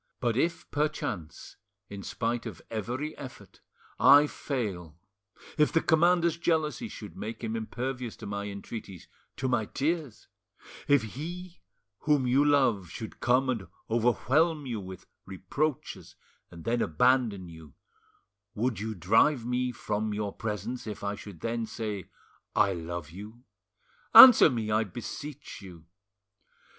But if perchance, in spite of every effort, I fail, if the commander's jealousy should make him impervious to my entreaties—to my tears, if he whom you love should come and overwhelm you with reproaches and then abandon you, would you drive me from your presence if I should then say, 'I love you'? Answer me, I beseech you."